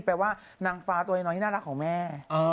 แปลว่านางฟ้านี่น่ารักของแม่